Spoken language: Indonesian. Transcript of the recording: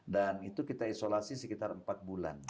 dan itu kita isolasi sekitar empat bulan